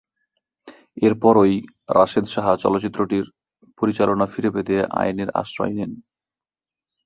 এর পরই রাশেদ রাহা চলচ্চিত্রটির পরিচালনা ফিরে পেতে আইনের আশ্রয় নেন।